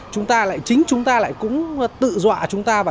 chúng ta lại tự dọa